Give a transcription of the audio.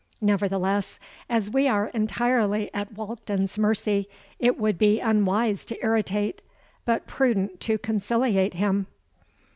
Nevertheless, as we are entirely at Walkden's mercy, it would be unwise to irritate, but prudent to conciliate him.'